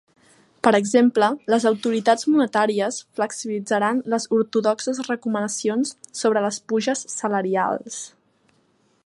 Per exemple, les autoritats monetàries flexibilitzaran les ortodoxes recomanacions sobre les puges salarials?